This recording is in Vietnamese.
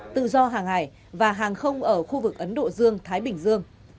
tự do hàng hải và hàng không ở khu vực ấn độ dương thái bình dương